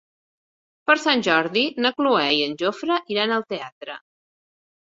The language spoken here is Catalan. Per Sant Jordi na Cloè i en Jofre iran al teatre.